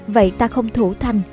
vậy ta không thủ thành